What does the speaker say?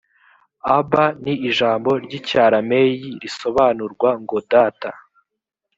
abba ni ijambo ry’icyarameyi risobanurwa ngo data